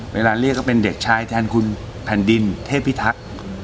เรียกก็เป็นเด็กชายแทนคุณแผ่นดินเทพิทักษ์